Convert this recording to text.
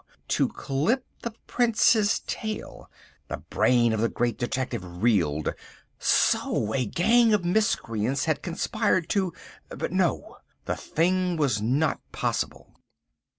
To clip the Prince's tail! The brain of the Great Detective reeled. So! a gang of miscreants had conspired to—but no! the thing was not possible.